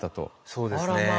そうですね。